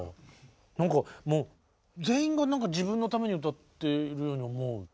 何かもう全員が自分のために歌っているように思うって。